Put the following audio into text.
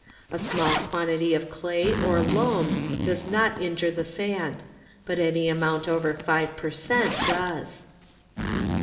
A small quantity of clay or loam does not injure the sand, but any amount over 5 per cent. does.